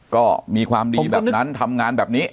ก็มีความดีแบบนั้นทำงานแบบนี้